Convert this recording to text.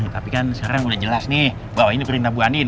tapi kan sekarang udah jelas nih bahwa ini perintah bu anin